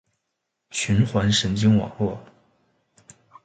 循环神经网络